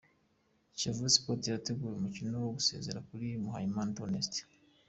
Kiyovu Sport irategura umukino wo gusezera kuri Muhayimana Theoneste.